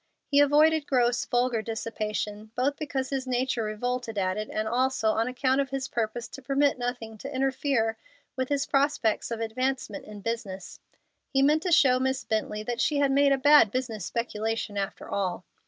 He avoided gross, vulgar dissipation, both because his nature revolted at it, and also on account of his purpose to permit nothing to interfere with his prospects of advancement in business. He meant to show Miss Bently that she had made a bad business speculation after all.